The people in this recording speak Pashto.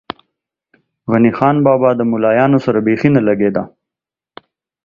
غني خان بابا ده ملایانو سره بېخی نه لږې ده.